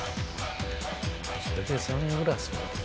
それでサングラスを？